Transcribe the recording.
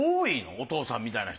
お父さんみたいな人。